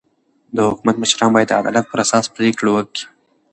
د حکومت مشران باید د عدالت پر اساس پرېکړي وکي.